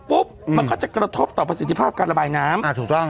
มันก็จะกระทบต่อประสิทธิภาพการระบายน้ำอ่าถูกต้อง